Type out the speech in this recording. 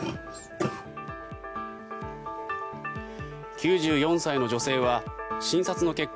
９４歳の女性は診察の結果